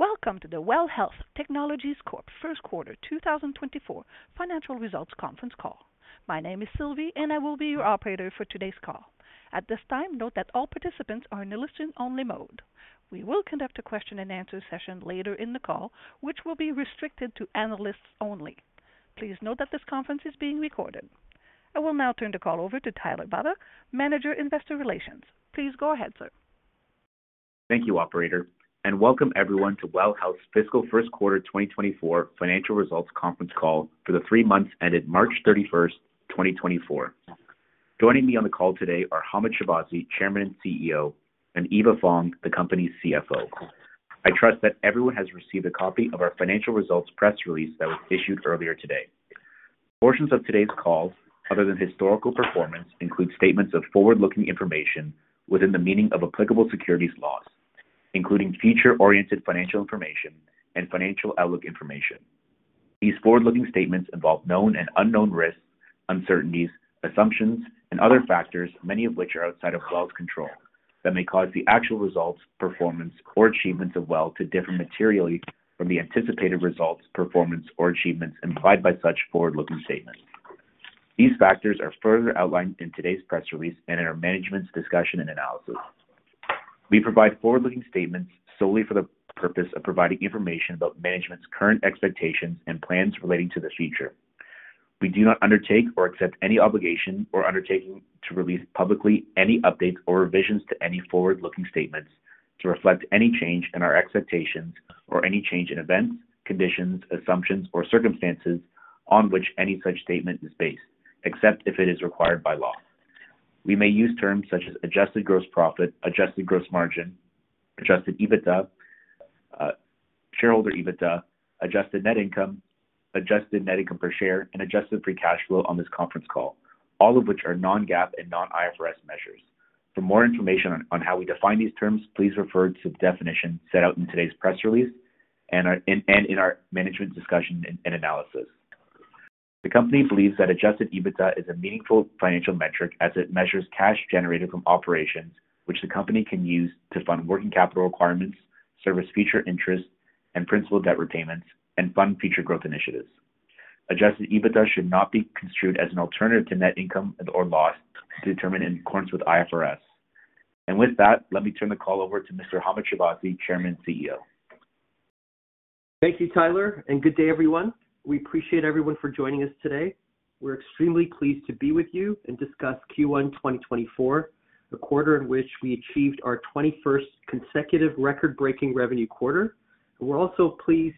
Welcome to the WELL Health Technologies Corp 1st Quarter 2024 Financial Results Conference Call. My name is Sylvie, and I will be your operator for today's call. At this time, note that all participants are in a listen-only mode. We will conduct a question-and-answer session later in the call, which will be restricted to analysts only. Please note that this conference is being recorded. I will now turn the call over to Tyler Baba, Manager Investor Relations. Please go ahead, sir. Thank you, operator, and welcome everyone to WELL Health's Fiscal First Quarter 2024 Financial Results Conference Call for the three months ended March 31, 2024. Joining me on the call today are Hamed Shahbazi, Chairman and CEO, and Eva Fong, the company's CFO. I trust that everyone has received a copy of our financial results press release that was issued earlier today. Portions of today's call, other than historical performance, include statements of forward-looking information within the meaning of applicable securities laws, including future-oriented financial information and financial outlook information. These forward-looking statements involve known and unknown risks, uncertainties, assumptions, and other factors, many of which are outside of WELL's control, that may cause the actual results, performance, or achievements of WELL to differ materially from the anticipated results, performance, or achievements implied by such forward-looking statements. These factors are further outlined in today's press release and in our management's discussion and analysis. We provide forward-looking statements solely for the purpose of providing information about management's current expectations and plans relating to the future. We do not undertake or accept any obligation or undertaking to release publicly any updates or revisions to any forward-looking statements to reflect any change in our expectations or any change in events, conditions, assumptions, or circumstances on which any such statement is based, except if it is required by law. We may use terms such as adjusted gross profit, adjusted gross margin, adjusted EBITDA, shareholder EBITDA, adjusted net income, adjusted net income per share, and adjusted free cash flow on this conference call, all of which are non-GAAP and non-IFRS measures. For more information on how we define these terms, please refer to the definition set out in today's press release and in our Management's Discussion and Analysis. The company believes that Adjusted EBITDA is a meaningful financial metric as it measures cash generated from operations, which the company can use to fund working capital requirements, service future interest and principal debt repayments, and fund future growth initiatives. Adjusted EBITDA should not be construed as an alternative to net income or loss determined in accordance with IFRS. With that, let me turn the call over to Mr. Hamed Shahbazi, Chairman and CEO. Thank you, Tyler, and good day, everyone. We appreciate everyone for joining us today. We're extremely pleased to be with you and discuss Q1 2024, the quarter in which we achieved our 21st consecutive record-breaking revenue quarter. We're also pleased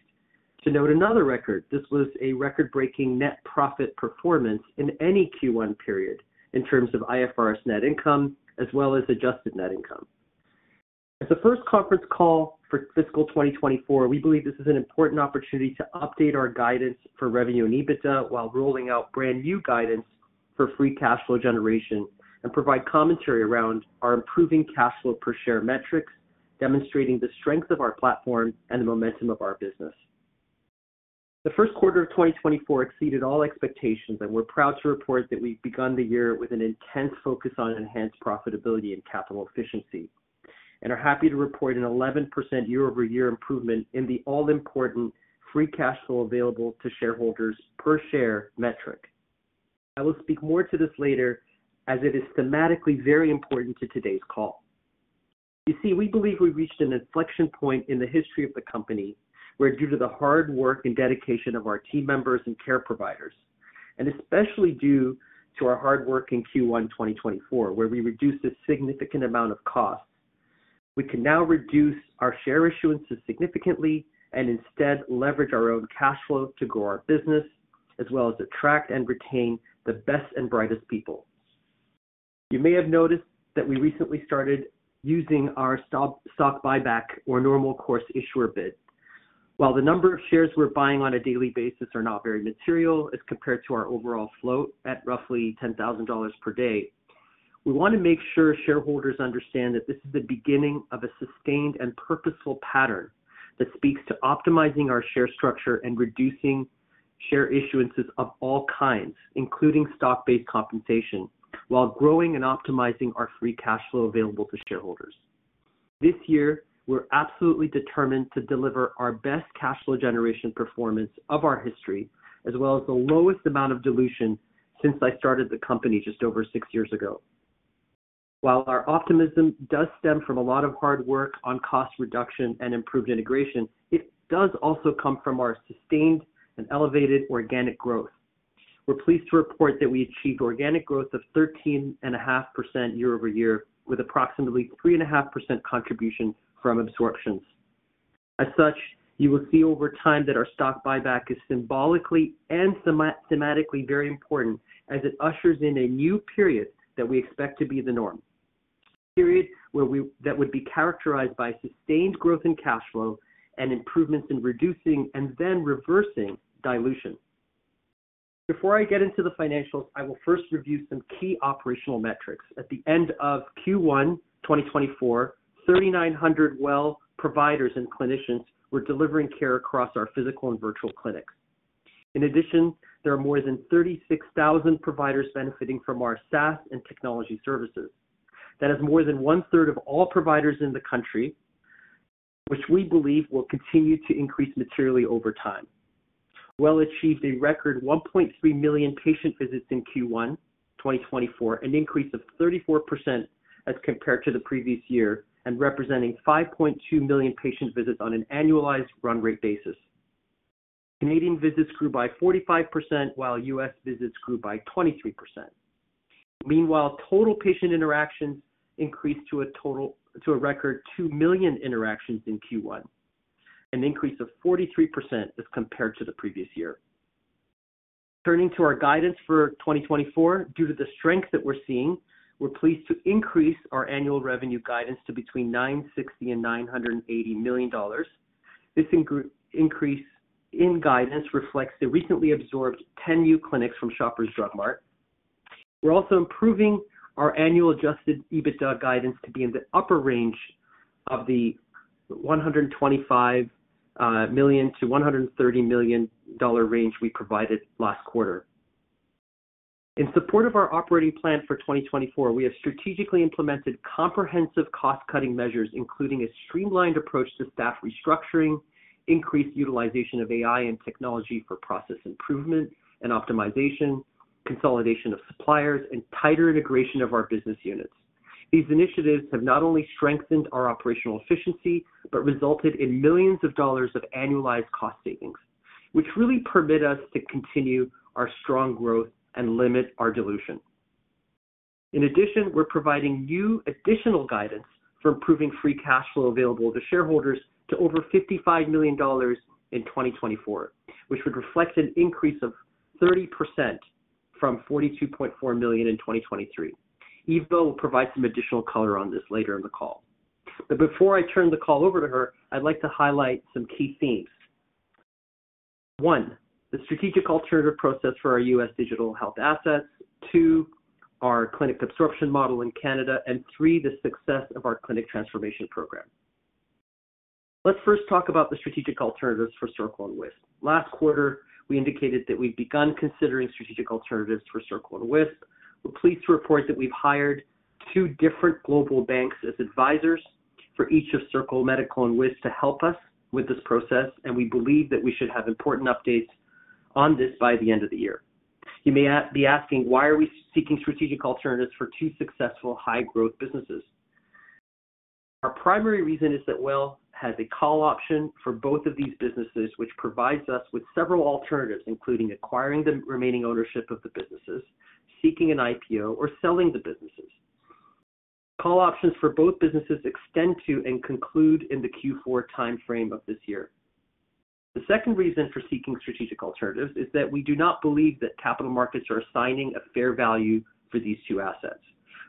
to note another record. This was a record-breaking net profit performance in any Q1 period in terms of IFRS net income as well as adjusted net income. As the first conference call for fiscal 2024, we believe this is an important opportunity to update our guidance for revenue and EBITDA while rolling out brand new guidance for free cash flow generation and provide commentary around our improving cash flow per share metrics, demonstrating the strength of our platform and the momentum of our business. The first quarter of 2024 exceeded all expectations, and we're proud to report that we've begun the year with an intense focus on enhanced profitability and capital efficiency, and are happy to report an 11% year-over-year improvement in the all-important free cash flow available to shareholders per share metric. I will speak more to this later as it is thematically very important to today's call. You see, we believe we've reached an inflection point in the history of the company where, due to the hard work and dedication of our team members and care providers, and especially due to our hard work in Q1 2024 where we reduced a significant amount of costs, we can now reduce our share issuances significantly and instead leverage our own cash flow to grow our business as well as attract and retain the best and brightest people. You may have noticed that we recently started using our stock buyback or normal course issuer bid. While the number of shares we're buying on a daily basis are not very material as compared to our overall float at roughly 10,000 dollars per day, we want to make sure shareholders understand that this is the beginning of a sustained and purposeful pattern that speaks to optimizing our share structure and reducing share issuances of all kinds, including stock-based compensation, while growing and optimizing our free cash flow available to shareholders. This year, we're absolutely determined to deliver our best cash flow generation performance of our history as well as the lowest amount of dilution since I started the company just over six years ago. While our optimism does stem from a lot of hard work on cost reduction and improved integration, it does also come from our sustained and elevated organic growth. We're pleased to report that we achieved organic growth of 13.5% year-over-year with approximately 3.5% contribution from absorptions. As such, you will see over time that our stock buyback is symbolically and thematically very important as it ushers in a new period that we expect to be the norm, a period that would be characterized by sustained growth in cash flow and improvements in reducing and then reversing dilution. Before I get into the financials, I will first review some key operational metrics. At the end of Q1 2024, 3,900 WELL providers and clinicians were delivering care across our physical and virtual clinics. In addition, there are more than 36,000 providers benefiting from our SaaS and technology services. That is more than one-third of all providers in the country, which we believe will continue to increase materially over time. WELL achieved a record 1.3 million patient visits in Q1 2024, an increase of 34% as compared to the previous year and representing 5.2 million patient visits on an annualized run-rate basis. Canadian visits grew by 45% while U.S. visits grew by 23%. Meanwhile, total patient interactions increased to a record 2 million interactions in Q1, an increase of 43% as compared to the previous year. Turning to our guidance for 2024, due to the strength that we're seeing, we're pleased to increase our annual revenue guidance to between 960 million and 980 million dollars. This increase in guidance reflects the recently absorbed 10 new clinics from Shoppers Drug Mart. We're also improving our annual Adjusted EBITDA guidance to be in the upper range of the 125 million-130 million dollar range we provided last quarter. In support of our operating plan for 2024, we have strategically implemented comprehensive cost-cutting measures, including a streamlined approach to staff restructuring, increased utilization of AI and technology for process improvement and optimization, consolidation of suppliers, and tighter integration of our business units. These initiatives have not only strengthened our operational efficiency but resulted in millions dollars of annualized cost savings, which really permit us to continue our strong growth and limit our dilution. In addition, we're providing new additional guidance for improving free cash flow available to shareholders to over 55 million dollars in 2024, which would reflect an increase of 30% from 42.4 million in 2023. Eva will provide some additional color on this later in the call. Before I turn the call over to her, I'd like to highlight some key themes. One, the strategic alternative process for our U.S. digital health assets. Two, our clinic absorption model in Canada. And three, the success of our clinic transformation program. Let's first talk about the strategic alternatives for Circle Medical and Wisp. Last quarter, we indicated that we've begun considering strategic alternatives for Circle Medical and Wisp. We're pleased to report that we've hired two different global banks as advisors for each of Circle Medical and Wisp to help us with this process, and we believe that we should have important updates on this by the end of the year. You may be asking, "Why are we seeking strategic alternatives for two successful high-growth businesses?" Our primary reason is that WELL has a call option for both of these businesses, which provides us with several alternatives, including acquiring the remaining ownership of the businesses, seeking an IPO, or selling the businesses. Call options for both businesses extend to and conclude in the Q4 time frame of this year. The second reason for seeking strategic alternatives is that we do not believe that capital markets are assigning a fair value for these two assets.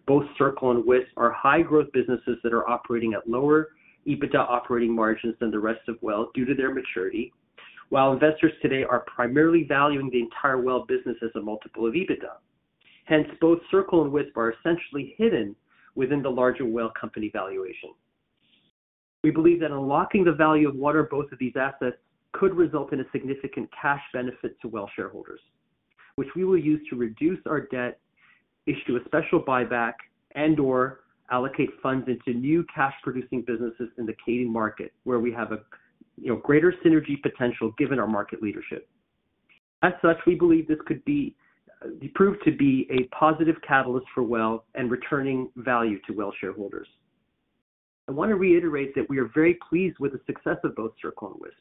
Both Circle and Wisp are high-growth businesses that are operating at lower EBITDA operating margins than the rest of WELL due to their maturity, while investors today are primarily valuing the entire WELL business as a multiple of EBITDA. Hence, both Circle and Wisp are essentially hidden within the larger WELL company valuation. We believe that unlocking the value of what are both of these assets could result in a significant cash benefit to WELL shareholders, which we will use to reduce our debt, issue a special buyback, and/or allocate funds into new cash-producing businesses in the Canadian market where we have a greater synergy potential given our market leadership. As such, we believe this could prove to be a positive catalyst for WELL and returning value to WELL shareholders. I want to reiterate that we are very pleased with the success of both Circle and Wisp.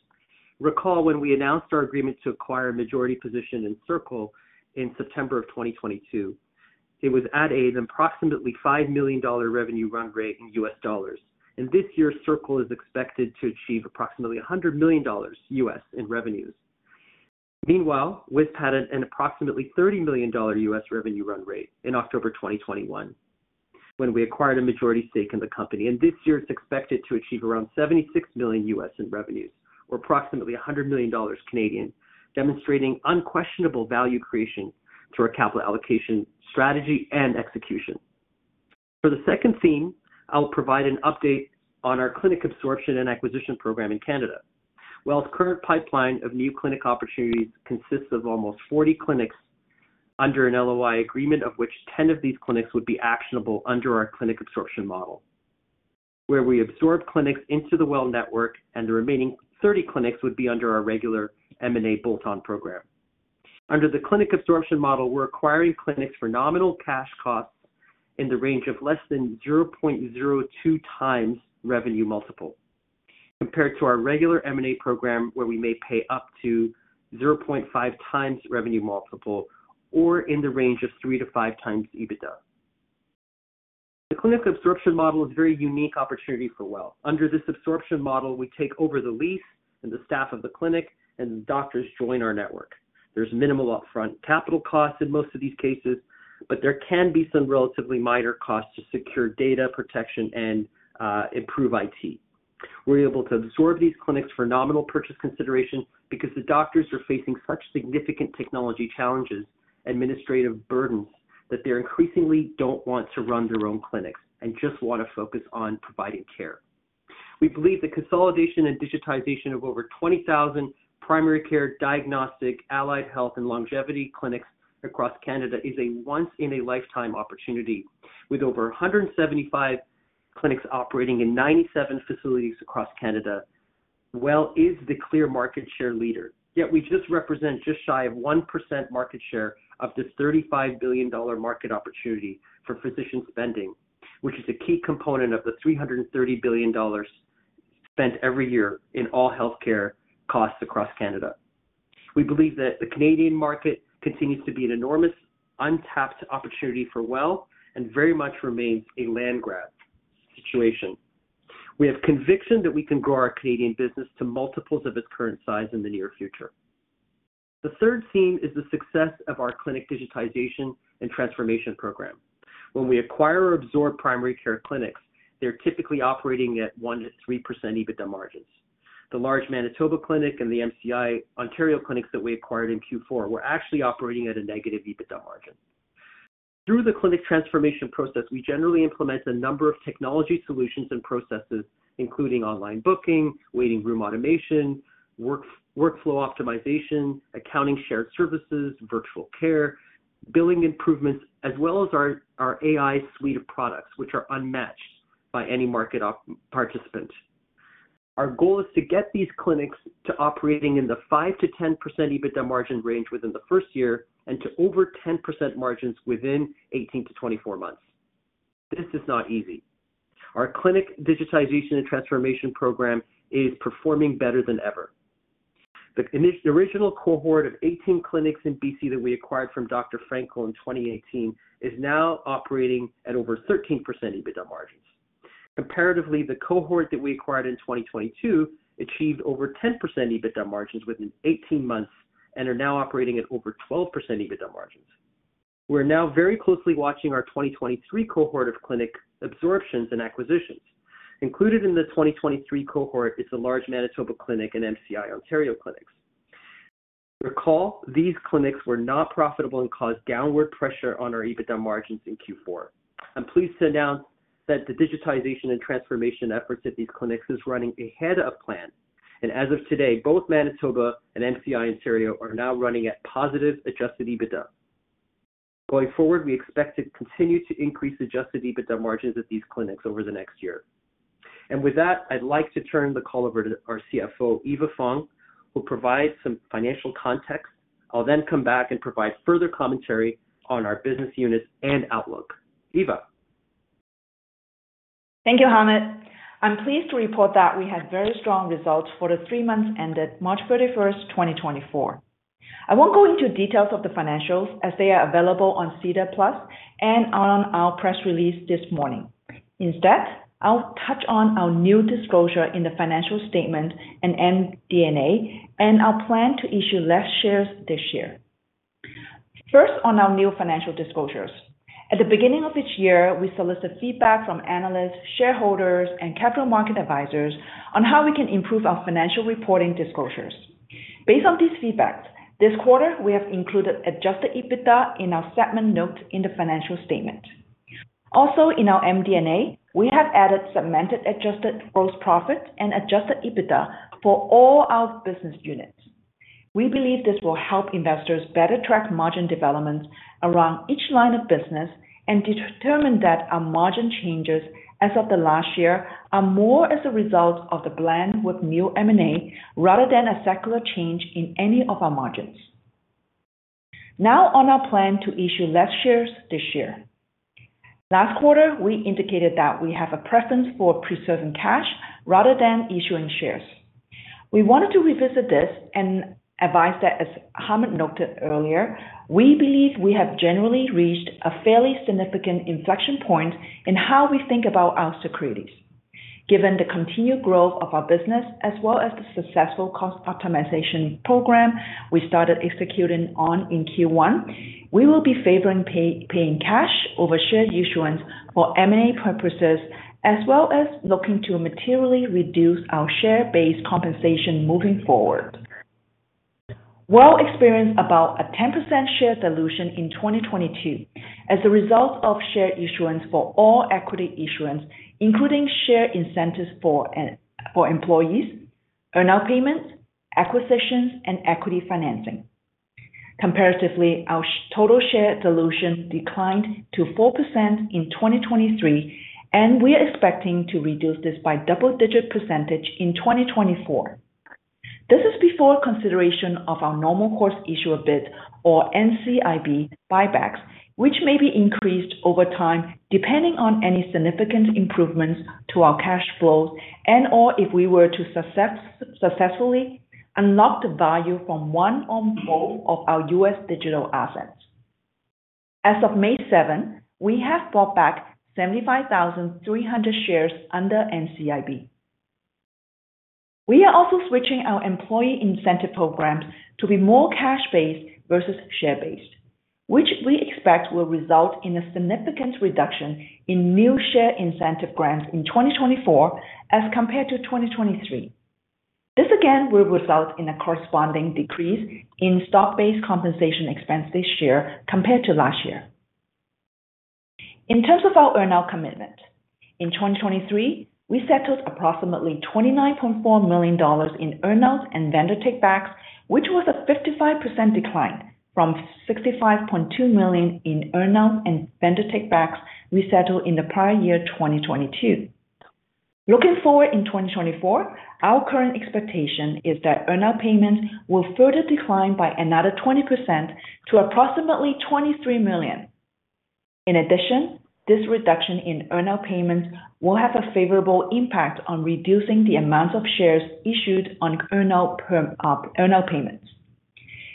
Recall when we announced our agreement to acquire a majority position in Circle in September of 2022, it was at an approximately $5 million revenue run rate in U.S. dollars. This year, Circle is expected to achieve approximately $100 million U.S. in revenues. Meanwhile, Wisp had an approximately $30 million revenue run rate in October 2021 when we acquired a majority stake in the company. This year, it's expected to achieve around $76 million in revenues or approximately 100 million Canadian dollars, demonstrating unquestionable value creation through our capital allocation strategy and execution. For the second theme, I'll provide an update on our clinic absorption and acquisition program in Canada. WELL's current pipeline of new clinic opportunities consists of almost 40 clinics under an LOI agreement, of which 10 of these clinics would be actionable under our clinic absorption model, where we absorb clinics into the WELL network, and the remaining 30 clinics would be under our regular M&A bolt-on program. Under the clinic absorption model, we're acquiring clinics for nominal cash costs in the range of less than 0.02x revenue multiple compared to our regular M&A program, where we may pay up to 0.5x revenue multiple or in the range of 3x-5x EBITDA. The clinic absorption model is a very unique opportunity for WELL. Under this absorption model, we take over the lease and the staff of the clinic, and the doctors join our network. There's minimal upfront capital costs in most of these cases, but there can be some relatively minor costs to secure data protection and improve IT. We're able to absorb these clinics for nominal purchase consideration because the doctors are facing such significant technology challenges, administrative burdens that they increasingly don't want to run their own clinics and just want to focus on providing care. We believe the consolidation and digitization of over 20,000 primary care, diagnostic, allied health, and longevity clinics across Canada is a once-in-a-lifetime opportunity. With over 175 clinics operating in 97 facilities across Canada, WELL is the clear market share leader. Yet, we just represent just shy of 1% market share of this 35 billion dollar market opportunity for physician spending, which is a key component of the 330 billion dollars spent every year in all healthcare costs across Canada. We believe that the Canadian market continues to be an enormous untapped opportunity for WELL and very much remains a land grab situation. We have conviction that we can grow our Canadian business to multiples of its current size in the near future. The third theme is the success of our clinic digitization and transformation program. When we acquire or absorb primary care clinics, they're typically operating at 1%-3% EBITDA margins. The large Manitoba Clinic and the MCI Ontario clinics that we acquired in Q4 were actually operating at a negative EBITDA margin. Through the clinic transformation process, we generally implement a number of technology solutions and processes, including online booking, waiting room automation, workflow optimization, accounting shared services, virtual care, billing improvements, as well as our AI suite of products, which are unmatched by any market participant. Our goal is to get these clinics to operating in the 5%-10% EBITDA margin range within the first year and to over 10% margins within 18-24 months. This is not easy. Our clinic digitization and transformation program is performing better than ever. The original cohort of 18 clinics in BC that we acquired from Dr. Frankel in 2018 is now operating at over 13% EBITDA margins. Comparatively, the cohort that we acquired in 2022 achieved over 10% EBITDA margins within 18 months and are now operating at over 12% EBITDA margins. We're now very closely watching our 2023 cohort of clinic absorptions and acquisitions. Included in the 2023 cohort is the large Manitoba Clinic and MCI Ontario clinics. Recall, these clinics were not profitable and caused downward pressure on our EBITDA margins in Q4. I'm pleased to announce that the digitization and transformation efforts at these clinics are running ahead of plan. As of today, both Manitoba and MCI Ontario are now running at positive Adjusted EBITDA. Going forward, we expect to continue to increase Adjusted EBITDA margins at these clinics over the next year. With that, I'd like to turn the call over to our CFO, Eva Fong, who provides some financial context. I'll then come back and provide further commentary on our business units and outlook. Eva. Thank you, Hamed. I'm pleased to report that we had very strong results for the three months ended March 31st, 2024. I won't go into details of the financials as they are available on SEDAR+ and on our press release this morning. Instead, I'll touch on our new disclosure in the financial statement and MD&A, and I'll plan to issue less shares this year. First, on our new financial disclosures. At the beginning of each year, we solicit feedback from analysts, shareholders, and capital market advisors on how we can improve our financial reporting disclosures. Based on these feedbacks, this quarter, we have included Adjusted EBITDA in our segment notes in the financial statement. Also, in our MD&A, we have added segmented adjusted gross profit and Adjusted EBITDA for all our business units. We believe this will help investors better track margin developments around each line of business and determine that our margin changes as of the last year are more as a result of the plan with new M&A rather than a secular change in any of our margins. Now, on our plan to issue less shares this year. Last quarter, we indicated that we have a preference for preserving cash rather than issuing shares. We wanted to revisit this and advise that, as Hamed noted earlier, we believe we have generally reached a fairly significant inflection point in how we think about our securities. Given the continued growth of our business as well as the successful cost optimization program we started executing on in Q1, we will be favoring paying cash over share issuance for M&A purposes as well as looking to materially reduce our share-based compensation moving forward. WELL experienced about a 10% share dilution in 2022 as a result of share issuance for all equity issuance, including share incentives for employees, earnout payments, acquisitions, and equity financing. Comparatively, our total share dilution declined to 4% in 2023, and we are expecting to reduce this by a double-digit percentage in 2024. This is before consideration of our Normal Course Issuer Bids or NCIB buybacks, which may be increased over time depending on any significant improvements to our cash flows and/or if we were to successfully unlock the value from one or both of our U.S. digital assets. As of May 7th, we have bought back 75,300 shares under NCIB. We are also switching our employee incentive programs to be more cash-based versus share-based, which we expect will result in a significant reduction in new share incentive grants in 2024 as compared to 2023. This, again, will result in a corresponding decrease in stock-based compensation expense this year compared to last year. In terms of our earnout commitment, in 2023, we settled approximately 29.4 million dollars in earnouts and vendor takebacks, which was a 55% decline from 65.2 million in earnouts and vendor takebacks we settled in the prior year, 2022. Looking forward in 2024, our current expectation is that earnout payments will further decline by another 20% to approximately 23 million. In addition, this reduction in earnout payments will have a favorable impact on reducing the amount of shares issued on earnout payments.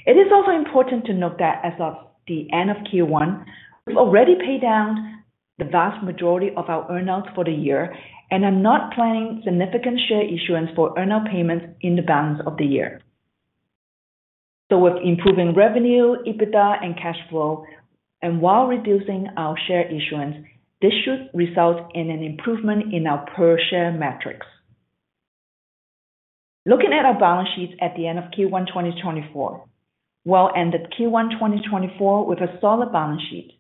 It is also important to note that as of the end of Q1, we've already paid down the vast majority of our earnouts for the year and are not planning significant share issuance for earnout payments in the balance of the year. So with improving revenue, EBITDA, and cash flow, and while reducing our share issuance, this should result in an improvement in our per-share metrics. Looking at our balance sheets at the end of Q1 2024, WELL ended Q1 2024 with a solid balance sheet.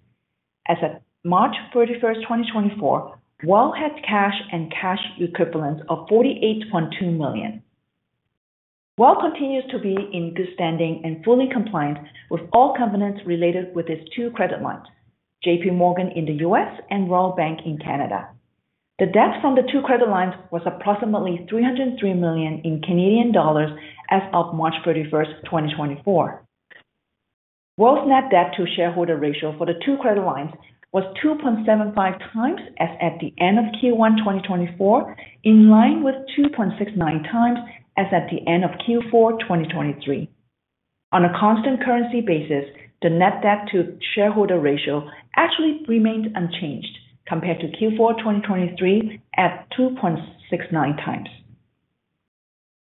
As of March 31st, 2024, WELL had cash and cash equivalents of 48.2 million. WELL continues to be in good standing and fully compliant with all covenants related with its two credit lines, JPMorgan in the U.S. and Royal Bank in Canada. The debt from the two credit lines was approximately 303 million in Canadian dollars as of March 31st, 2024. WELL's net debt-to-shareholder ratio for the two credit lines was 2.75x as at the end of Q1 2024, in line with 2.69x as at the end of Q4 2023. On a constant currency basis, the net debt-to-shareholder ratio actually remained unchanged compared to Q4 2023 at 2.69x.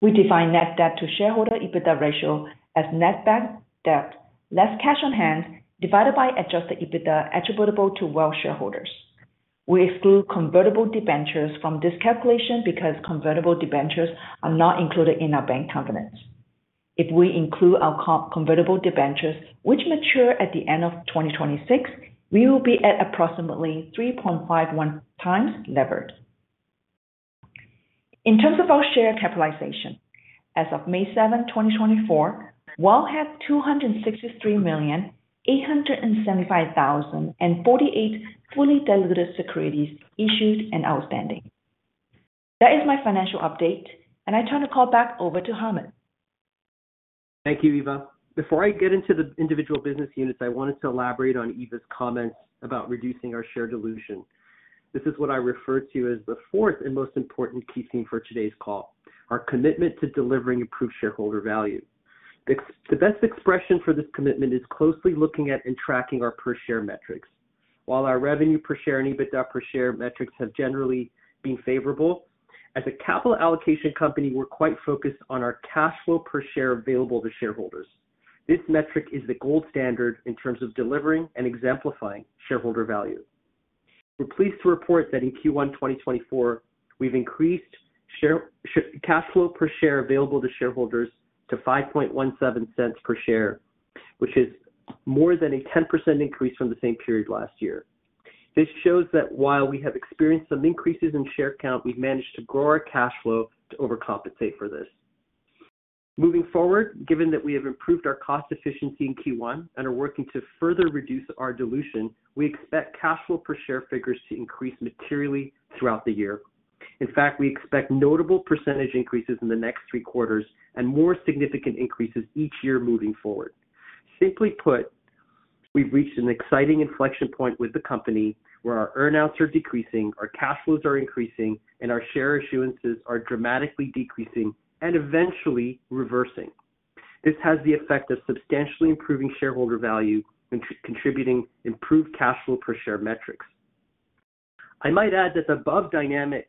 We define net debt-to-shareholder EBITDA ratio as net bank debt, less cash on hand, divided by Adjusted EBITDA attributable to WELL shareholders. We exclude convertible debentures from this calculation because convertible debentures are not included in our bank covenants. If we include our convertible debentures, which mature at the end of 2026, we will be at approximately 3.51x levered. In terms of our share capitalization, as of May 7th, 2024, WELL had 263,875,048 fully diluted securities issued and outstanding. That is my financial update, and I turn the call back over to Hamed. Thank you, Eva. Before I get into the individual business units, I wanted to elaborate on Eva's comments about reducing our share dilution. This is what I refer to as the fourth and most important key theme for today's call, our commitment to delivering improved shareholder value. The best expression for this commitment is closely looking at and tracking our per-share metrics. While our revenue per share and EBITDA per share metrics have generally been favorable, as a capital allocation company, we're quite focused on our cash flow per share available to shareholders. This metric is the gold standard in terms of delivering and exemplifying shareholder value. We're pleased to report that in Q1 2024, we've increased cash flow per share available to shareholders to 0.517 per share, which is more than a 10% increase from the same period last year. This shows that while we have experienced some increases in share count, we've managed to grow our cash flow to overcompensate for this. Moving forward, given that we have improved our cost efficiency in Q1 and are working to further reduce our dilution, we expect cash flow per share figures to increase materially throughout the year. In fact, we expect notable percentage increases in the next three quarters and more significant increases each year moving forward. Simply put, we've reached an exciting inflection point with the company where our earnouts are decreasing, our cash flows are increasing, and our share issuances are dramatically decreasing and eventually reversing. This has the effect of substantially improving shareholder value, contributing improved cash flow per share metrics. I might add that the above dynamic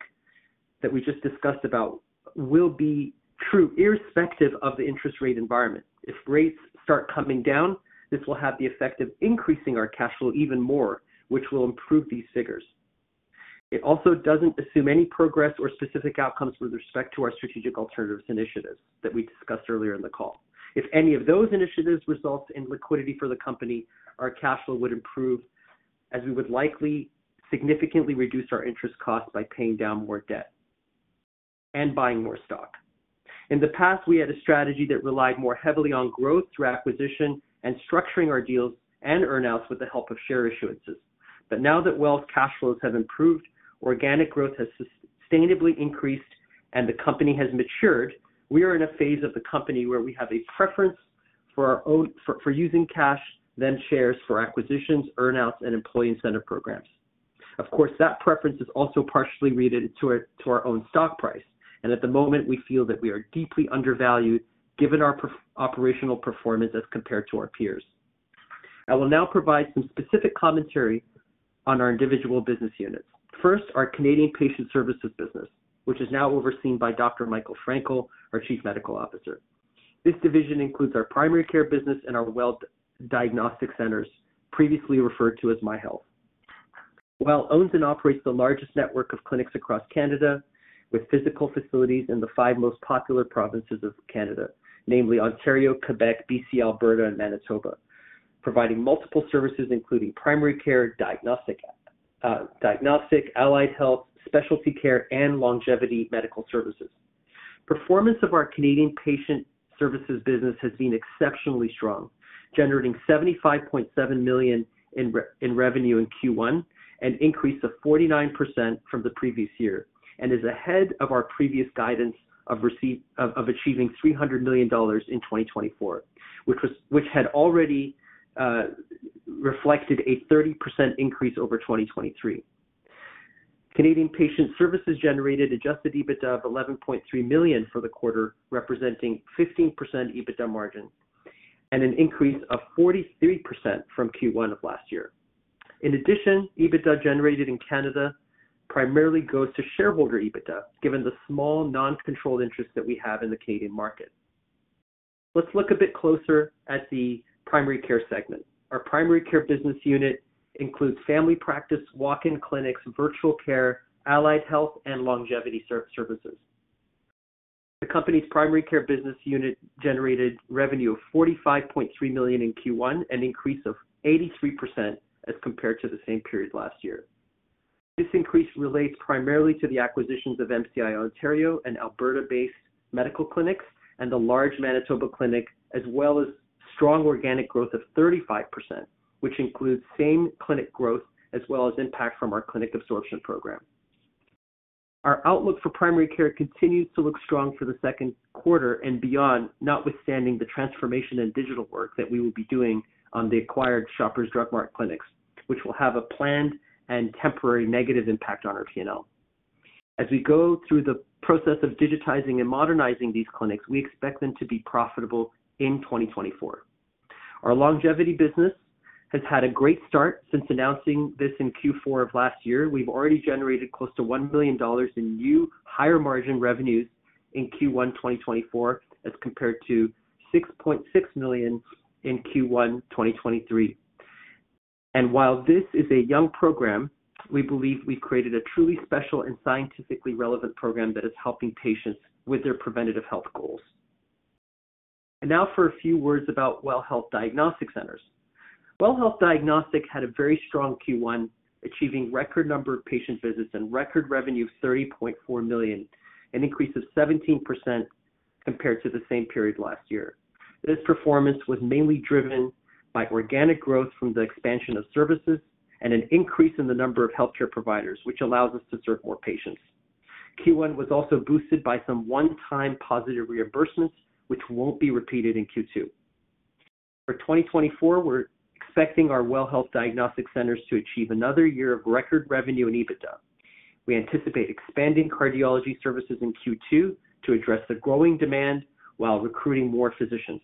that we just discussed about will be true irrespective of the interest rate environment. If rates start coming down, this will have the effect of increasing our cash flow even more, which will improve these figures. It also doesn't assume any progress or specific outcomes with respect to our strategic alternatives initiatives that we discussed earlier in the call. If any of those initiatives result in liquidity for the company, our cash flow would improve as we would likely significantly reduce our interest costs by paying down more debt and buying more stock. In the past, we had a strategy that relied more heavily on growth through acquisition and structuring our deals and earnouts with the help of share issuances. But now that WELL's cash flows have improved, organic growth has sustainably increased, and the company has matured, we are in a phase of the company where we have a preference for using cash than shares for acquisitions, earnouts, and employee incentive programs. Of course, that preference is also partially related to our own stock price. At the moment, we feel that we are deeply undervalued given our operational performance as compared to our peers. I will now provide some specific commentary on our individual business units. First, our Canadian Patient Services business, which is now overseen by Dr. Michael Frankel, our Chief Medical Officer. This division includes our primary care business and our WELL Diagnostic Centers, previously referred to as MyHealth. WELL owns and operates the largest network of clinics across Canada with physical facilities in the five most popular provinces of Canada, namely Ontario, Quebec, BC, Alberta, and Manitoba, providing multiple services including primary care, diagnostic, allied health, specialty care, and longevity medical services. Performance of our Canadian Patient Services business has been exceptionally strong, generating 75.7 million in revenue in Q1, an increase of 49% from the previous year, and is ahead of our previous guidance of achieving 300 million dollars in 2024, which had already reflected a 30% increase over 2023. Canadian Patient Services generated Adjusted EBITDA of 11.3 million for the quarter, representing 15% EBITDA margin and an increase of 43% from Q1 of last year. In addition, EBITDA generated in Canada primarily goes to shareholder EBITDA given the small non-controlled interests that we have in the Canadian market. Let's look a bit closer at the Primary Care segment. Our Primary Care business unit includes family practice, walk-in clinics, virtual care, allied health, and longevity services. The company's primary care business unit generated revenue of 45.3 million in Q1, an increase of 83% as compared to the same period last year. This increase relates primarily to the acquisitions of MCI Ontario and Alberta-based medical clinics and the large Manitoba clinic, as well as strong organic growth of 35%, which includes same clinic growth as well as impact from our clinic absorption program. Our outlook for primary care continues to look strong for the second quarter and beyond, notwithstanding the transformation and digital work that we will be doing on the acquired Shoppers Drug Mart clinics, which will have a planned and temporary negative impact on our P&L. As we go through the process of digitizing and modernizing these clinics, we expect them to be profitable in 2024. Our longevity business has had a great start since announcing this in Q4 of last year. We've already generated close to 1 million dollars in new higher margin revenues in Q1 2024 as compared to 6.6 million in Q1 2023. While this is a young program, we believe we've created a truly special and scientifically relevant program that is helping patients with their preventive health goals. Now for a few words about WELL Health Diagnostic Centers. WELL Health Diagnostic had a very strong Q1, achieving a record number of patient visits and record revenue of 30.4 million, an increase of 17% compared to the same period last year. This performance was mainly driven by organic growth from the expansion of services and an increase in the number of healthcare providers, which allows us to serve more patients. Q1 was also boosted by some one-time positive reimbursements, which won't be repeated in Q2. For 2024, we're expecting our WELL Health Diagnostic Centers to achieve another year of record revenue and EBITDA. We anticipate expanding cardiology services in Q2 to address the growing demand while recruiting more physicians.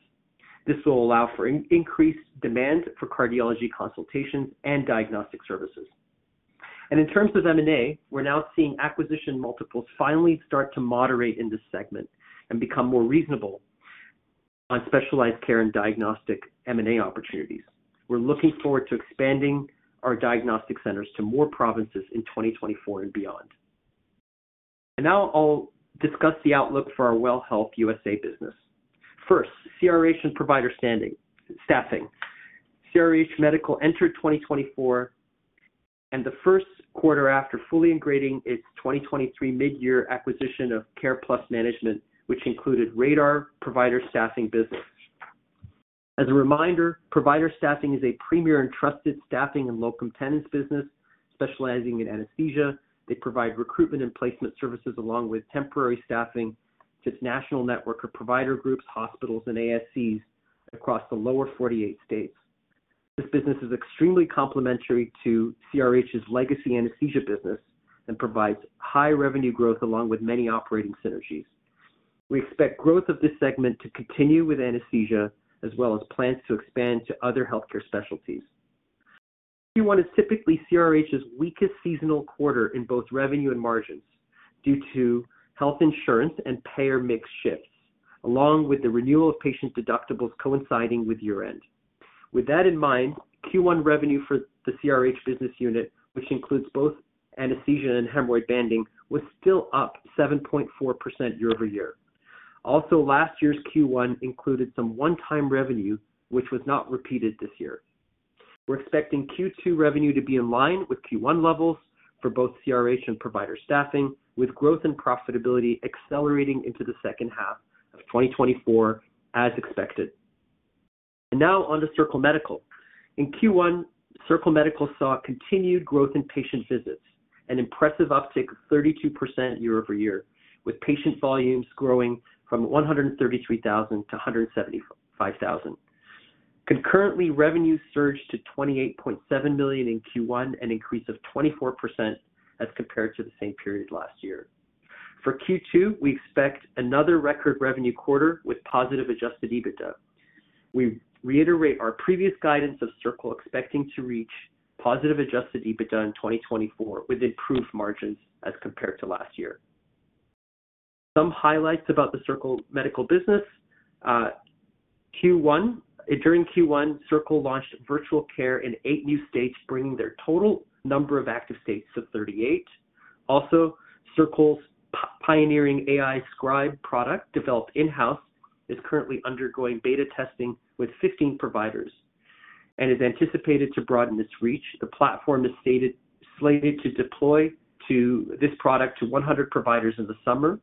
This will allow for increased demand for cardiology consultations and diagnostic services. In terms of M&A, we're now seeing acquisition multiples finally start to moderate in this segment and become more reasonable on specialized care and diagnostic M&A opportunities. We're looking forward to expanding our diagnostic centers to more provinces in 2024 and beyond. Now I'll discuss the outlook for our WELL Health USA business. First, CRH and provider staffing. CRH Medical entered 2024, and the first quarter after fully integrating its 2023 midyear acquisition of CarePlus Management, which included Radar provider staffing business. As a reminder, provider staffing is a premier trusted staffing and low-competition business specializing in anesthesia. They provide recruitment and placement services along with temporary staffing to its national network of provider groups, hospitals, and ASCs across the Lower 48 states. This business is extremely complementary to CRH's legacy anesthesia business and provides high revenue growth along with many operating synergies. We expect growth of this segment to continue with anesthesia as well as plans to expand to other healthcare specialties. Q1 is typically CRH's weakest seasonal quarter in both revenue and margins due to health insurance and payer mix shifts, along with the renewal of patient deductibles coinciding with year-end. With that in mind, Q1 revenue for the CRH business unit, which includes both anesthesia and hemorrhoid banding, was still up 7.4% year-over-year. Also, last year's Q1 included some one-time revenue, which was not repeated this year. We're expecting Q2 revenue to be in line with Q1 levels for both CRH and provider staffing, with growth and profitability accelerating into the second half of 2024 as expected. Now on to Circle Medical. In Q1, Circle Medical saw continued growth in patient visits, an impressive uptick of 32% year-over-year, with patient volumes growing from 133,000 to 175,000. Concurrently, revenue surged to $28.7 million in Q1, an increase of 24% as compared to the same period last year. For Q2, we expect another record revenue quarter with positive Adjusted EBITDA. We reiterate our previous guidance of Circle expecting to reach positive Adjusted EBITDA in 2024 with improved margins as compared to last year. Some highlights about the Circle Medical business. During Q1, Circle launched virtual care in eight new states, bringing their total number of active states to 38. Also, Circle's pioneering AI Scribe product, developed in-house, is currently undergoing beta testing with 15 providers and is anticipated to broaden its reach. The platform is slated to deploy this product to 100 providers in the summer,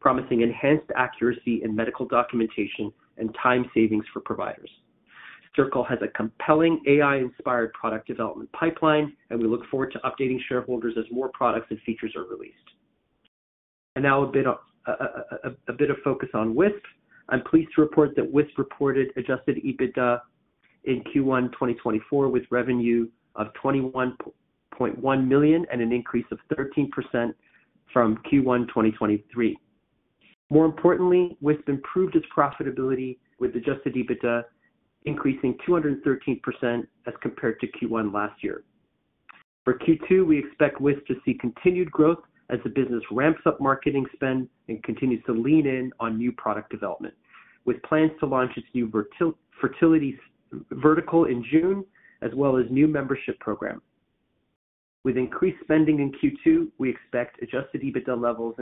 promising enhanced accuracy in medical documentation and time savings for providers. Circle has a compelling AI-inspired product development pipeline, and we look forward to updating shareholders as more products and features are released. And now a bit of focus on Wisp. I'm pleased to report that Wisp reported Adjusted EBITDA in Q1 2024 with revenue of $21.1 million and an increase of 13% from Q1 2023. More importantly, Wisp improved its profitability with Adjusted EBITDA increasing 213% as compared to Q1 last year. For Q2, we expect Wisp to see continued growth as the business ramps up marketing spend and continues to lean in on new product development with plans to launch its new fertility vertical in June, as well as a new membership program. With increased spending in Q2, we expect Adjusted EBITDA levels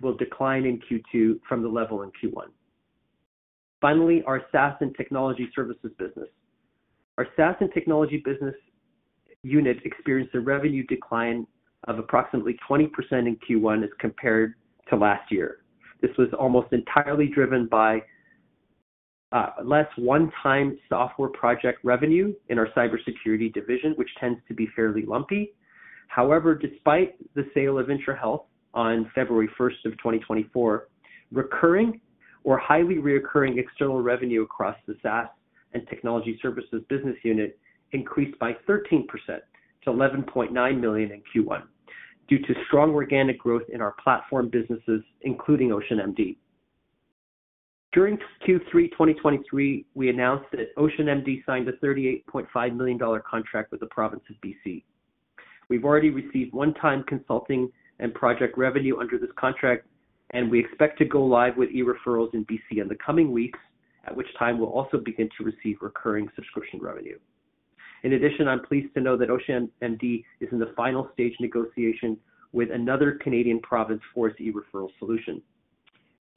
will decline in Q2 from the level in Q1. Finally, our SaaS and technology services business. Our SaaS and technology business unit experienced a revenue decline of approximately 20% in Q1 as compared to last year. This was almost entirely driven by less one-time software project revenue in our cybersecurity division, which tends to be fairly lumpy. However, despite the sale of Intrahealth on February 1st of 2024, recurring or highly recurring external revenue across the SaaS and technology services business unit increased by 13% to 11.9 million in Q1 due to strong organic growth in our platform businesses, including OceanMD. During Q3 2023, we announced that OceanMD signed a 38.5 million dollar contract with the province of BC. We've already received one-time consulting and project revenue under this contract, and we expect to go live with e-referrals in BC in the coming weeks, at which time we'll also begin to receive recurring subscription revenue. In addition, I'm pleased to know that OceanMD is in the final stage negotiation with another Canadian province for its e-referral solution.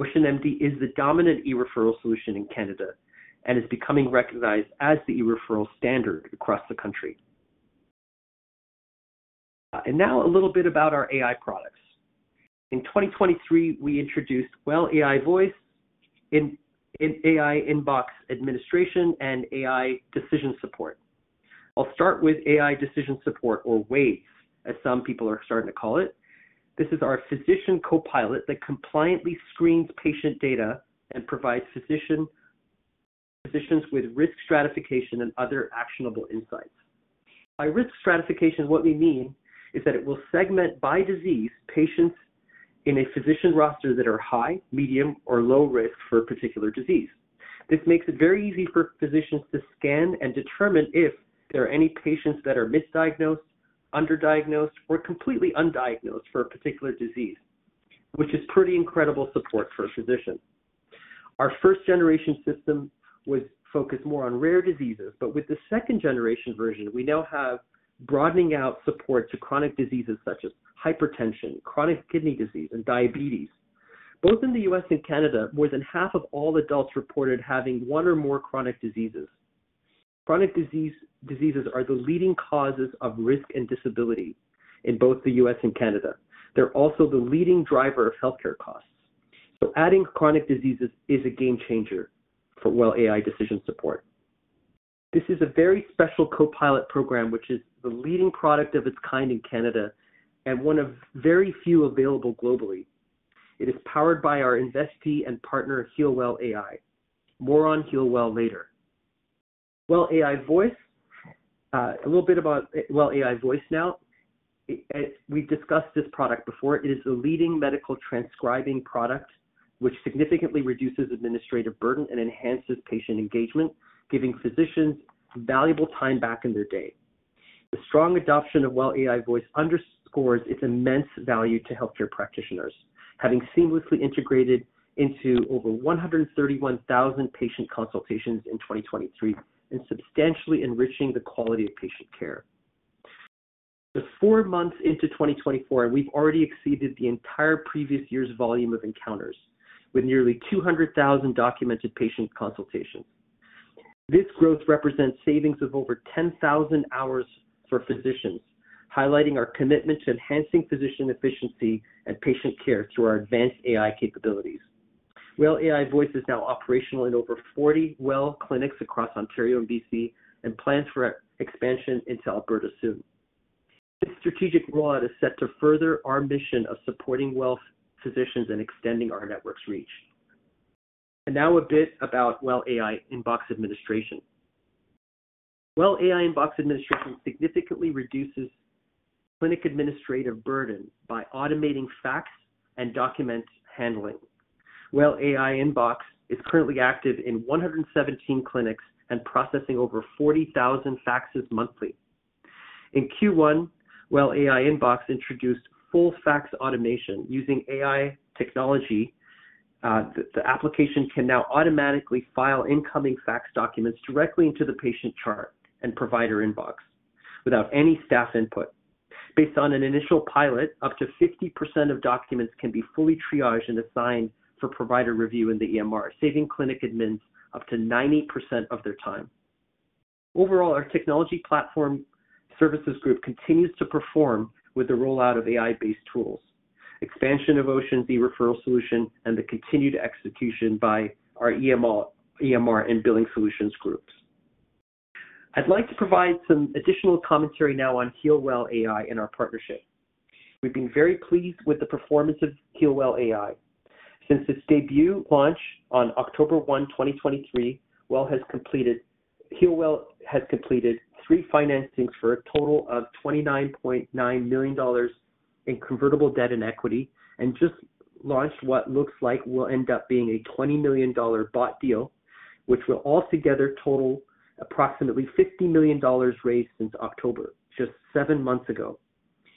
OceanMD is the dominant e-referral solution in Canada and is becoming recognized as the e-referral standard across the country. And now a little bit about our AI products. In 2023, we introduced WELL AI Voice, AI Inbox Administration, and AI Decision Support. I'll start with AI Decision Support, or WAIDS, as some people are starting to call it. This is our physician co-pilot that compliantly screens patient data and provides physicians with risk stratification and other actionable insights. By risk stratification, what we mean is that it will segment by disease patients in a physician roster that are high, medium, or low risk for a particular disease. This makes it very easy for physicians to scan and determine if there are any patients that are misdiagnosed, underdiagnosed, or completely undiagnosed for a particular disease, which is pretty incredible support for a physician. Our first-generation system was focused more on rare diseases, but with the second-generation version, we now have broadening out support to chronic diseases such as hypertension, chronic kidney disease, and diabetes. Both in the U.S. and Canada, more than half of all adults reported having one or more chronic diseases. Chronic diseases are the leading causes of risk and disability in both the U.S. and Canada. They're also the leading driver of healthcare costs. So adding chronic diseases is a game changer for WELL AI Decision Support. This is a very special co-pilot program, which is the leading product of its kind in Canada and one of very few available globally. It is powered by our investee and partner, HEALWELL AI. More on HEALWELL later. WELL AI Voice. A little bit about WELL AI Voice now. We've discussed this product before. It is the leading medical transcribing product, which significantly reduces administrative burden and enhances patient engagement, giving physicians valuable time back in their day. The strong adoption of WELL AI Voice underscores its immense value to healthcare practitioners, having seamlessly integrated into over 131,000 patient consultations in 2023 and substantially enriching the quality of patient care. The four months into 2024, and we've already exceeded the entire previous year's volume of encounters with nearly 200,000 documented patient consultations. This growth represents savings of over 10,000 hours for physicians, highlighting our commitment to enhancing physician efficiency and patient care through our advanced AI capabilities. WELL AI Voice is now operational in over 40 WELL clinics across Ontario and B.C. and plans for expansion into Alberta soon. Its strategic rollout is set to further our mission of supporting WELL physicians and extending our network's reach. Now a bit about WELL AI Inbox Admin. WELL AI Inbox Admin significantly reduces clinic administrative burden by automating fax and document handling. WELL AI Inbox is currently active in 117 clinics and processing over 40,000 faxes monthly. In Q1, WELL AI Inbox introduced full fax automation using AI technology. The application can now automatically file incoming fax documents directly into the patient chart and provider inbox without any staff input. Based on an initial pilot, up to 50% of documents can be fully triaged and assigned for provider review in the EMR, saving clinic admins up to 90% of their time. Overall, our technology platform services group continues to perform with the rollout of AI-based tools, expansion of Ocean's e-referral solution, and the continued execution by our EMR and billing solutions groups. I'd like to provide some additional commentary now on HEALWELL AI and our partnership. We've been very pleased with the performance of HEALWELL AI. Since its debut launch on October 1, 2023, WELL has completed three financings for a total of 29.9 million dollars in convertible debt and equity and just launched what looks like will end up being a 20 million dollar bot deal, which will altogether total approximately 50 million dollars raised since October, just seven months ago.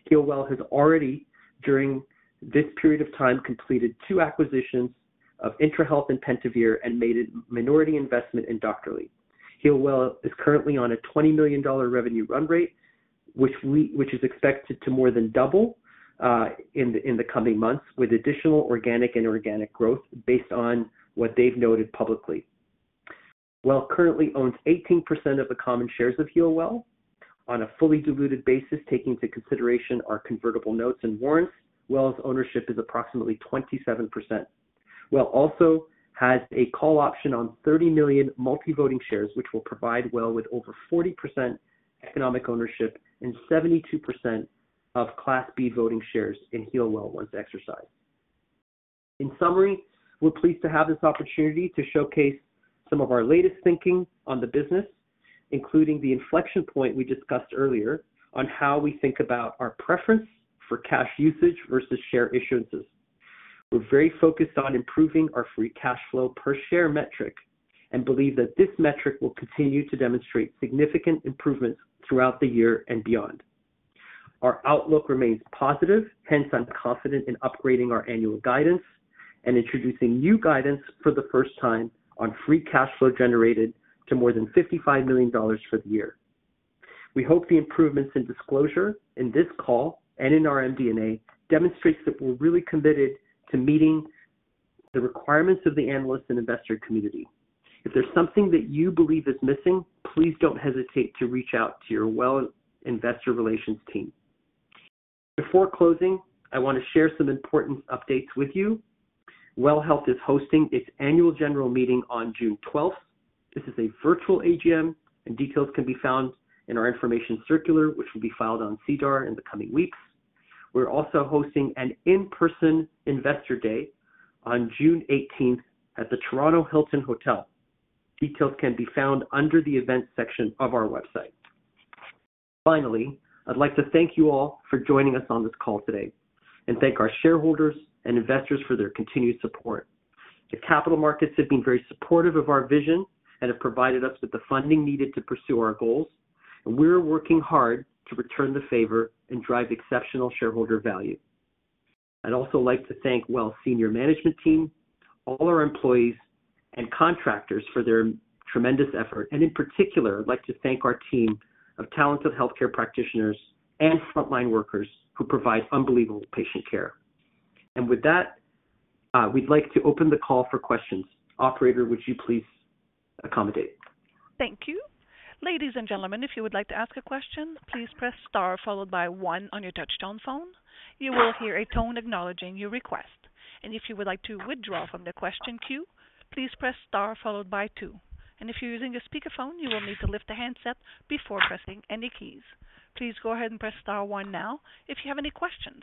HEALWELL has already, during this period of time, completed two acquisitions of Intrahealth and Pentavere and made a minority investment in Doctorly. HEALWELL is currently on a 20 million dollar revenue run rate, which is expected to more than double in the coming months with additional organic and inorganic growth based on what they've noted publicly. WELL currently owns 18% of the common shares of HEALWELL. On a fully diluted basis, taking into consideration our convertible notes and warrants, WELL's ownership is approximately 27%. WELL also has a call option on 30 million multivoting shares, which will provide WELL with over 40% economic ownership and 72% of Class B voting shares in HEALWELL once exercised. In summary, we're pleased to have this opportunity to showcase some of our latest thinking on the business, including the inflection point we discussed earlier on how we think about our preference for cash usage versus share issuances. We're very focused on improving our free cash flow per share metric and believe that this metric will continue to demonstrate significant improvements throughout the year and beyond. Our outlook remains positive, hence I'm confident in upgrading our annual guidance and introducing new guidance for the first time on free cash flow generated to more than 55 million dollars for the year. We hope the improvements in disclosure in this call and in our MD&A demonstrate that we're really committed to meeting the requirements of the analyst and investor community. If there's something that you believe is missing, please don't hesitate to reach out to your WELL investor relations team. Before closing, I want to share some important updates with you. WELL Health is hosting its annual general meeting on June 12th. This is a virtual AGM, and details can be found in our information circular, which will be filed on SEDAR+ in the coming weeks. We're also hosting an in-person Investor Day on June 18th at the Toronto Hilton Hotel. Details can be found under the events section of our website. Finally, I'd like to thank you all for joining us on this call today and thank our shareholders and investors for their continued support. The capital markets have been very supportive of our vision and have provided us with the funding needed to pursue our goals, and we're working hard to return the favor and drive exceptional shareholder value. I'd also like to thank WELL's senior management team, all our employees, and contractors for their tremendous effort. In particular, I'd like to thank our team of talented healthcare practitioners and frontline workers who provide unbelievable patient care. With that, we'd like to open the call for questions. Operator, would you please accommodate? Thank you. Ladies and gentlemen, if you would like to ask a question, please press star followed by one on your touch-tone phone. You will hear a tone acknowledging your request. If you would like to withdraw from the question queue, please press star followed by two. If you're using a speakerphone, you will need to lift the handset before pressing any keys. Please go ahead and press star one now if you have any questions.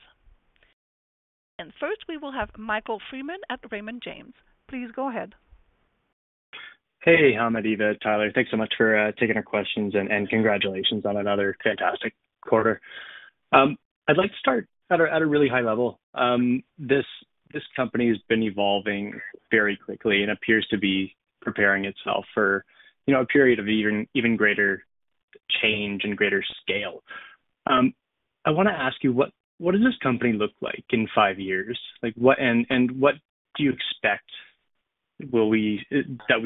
First, we will have Michael Freeman at Raymond James. Please go ahead. Hey, Hamed, Eva, Tyler. Thanks so much for taking our questions and congratulations on another fantastic quarter. I'd like to start at a really high level. This company has been evolving very quickly and appears to be preparing itself for a period of even greater change and greater scale. I want to ask you, what does this company look like in five years? And what do you expect that we